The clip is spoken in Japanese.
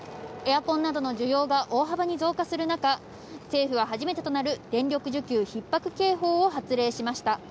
エアコンなどの需要が大幅に増加する中、政府は初めてとなる電力需給ひっ迫警報を発令しました。